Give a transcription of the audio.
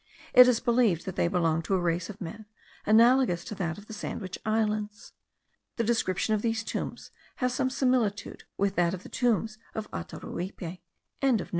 It is believed they belong to a race of men analogous to that of the Sandwich Islands. The description of these tombs has some similitude with that of the tombs of Ataruipe.)